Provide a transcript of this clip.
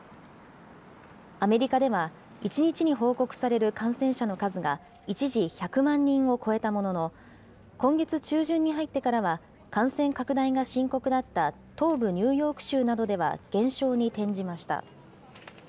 アメリカでは、１日に報告される感染者の数が一時、１００万人を超えたものの、今月中旬に入ってからは、感染拡大が深刻だった東部ニューヨーク州などでは減少に転じました。